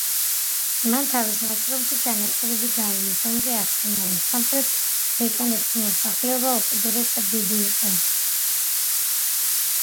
მან თავის ნაშრომში „ჩანაწერები გალიის ომზე“ ახსენა, რომ სამხრეთ ბრიტანიის მოსახლეობა უკიდურესად დიდი იყო.